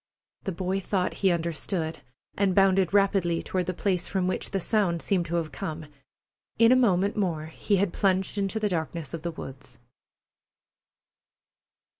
The boy thought he understood, and bounded rapidly toward the place from which the sound seemed to have come. In a moment more he had plunged into the darkness of the woods.